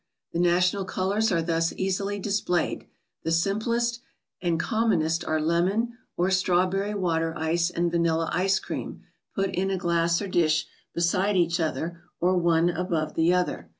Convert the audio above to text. The national colors are thus easily displayed. The simplest and commonest are lemon, or strawberry water ice and vanilla ice cream, put in a glass or dish, beside each other, or one above the other.